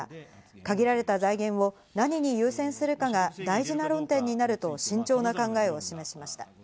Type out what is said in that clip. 限られた財源を何に優先するかが大事な論点になると慎重な考えを示しました。